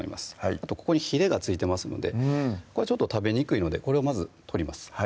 あとここにひれが付いてますのでこれはちょっと食べにくいのでこれをまず取ります